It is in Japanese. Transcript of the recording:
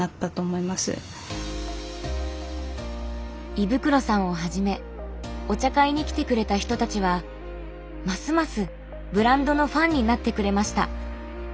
衣袋さんをはじめお茶会に来てくれた人たちはますますブランドのファンになってくれました。